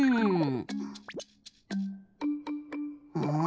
うん。